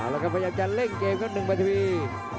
แล้วก็พยายามจะเล่นเกมก็หนึ่งประทิวิธธิ์